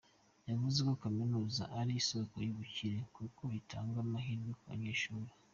Yavuze ko kaminuza ari isoko y’ubukire, kuko itanga amahirwe ku banyeshuri.